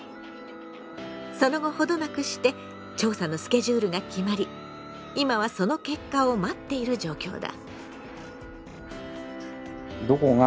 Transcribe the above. その後程なくして調査のスケジュールが決まり今はその結果を待っている状況だ。